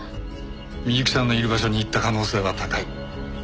美雪さんのいる場所に行った可能性は高い。